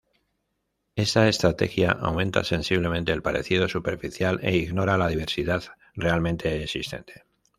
Esa estrategia aumenta sensiblemente el parecido superficial e ignora la diversidad realmente existente.